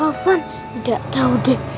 afwan nggak tahu deh